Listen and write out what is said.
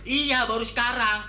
iya baru sekarang